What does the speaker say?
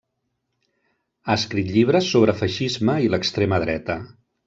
Ha escrit llibres sobre feixisme i l'extrema dreta.